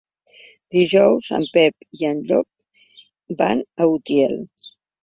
Dijous en Pep i en Llop van a Utiel.